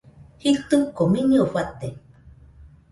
Jitɨko miñɨe fate